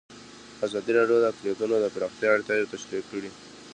ازادي راډیو د اقلیتونه د پراختیا اړتیاوې تشریح کړي.